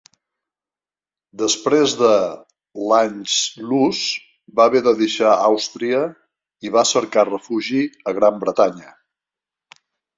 Després de l'"Anschluss" va haver de deixar Àustria i va cercar refugi a Gran Bretanya.